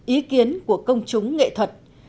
ý kiến của công chúng nghệ thuật